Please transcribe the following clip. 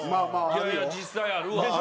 いやいや実際あるわ。